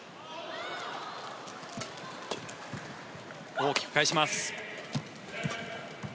大きく返します。